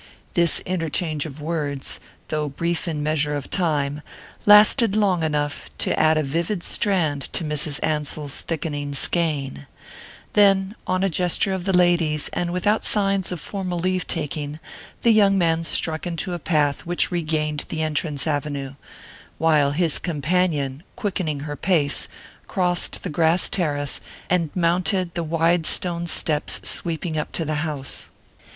This interchange of words, though brief in measure of time, lasted long enough to add a vivid strand to Mrs. Ansell's thickening skein; then, on a gesture of the lady's, and without signs of formal leave taking, the young man struck into a path which regained the entrance avenue, while his companion, quickening her pace, crossed the grass terrace and mounted the wide stone steps sweeping up to the house.